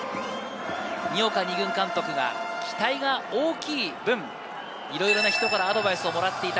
二岡２軍監督が期待が大きい分、いろいろな人からアドバイスをもらっていた。